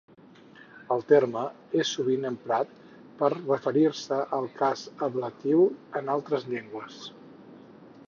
El terme és sovint emprat per referir-se al cas ablatiu en altres llengües.